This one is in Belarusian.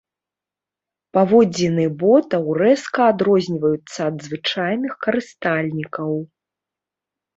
Паводзіны ботаў рэзка адрозніваюцца ад звычайных карыстальнікаў.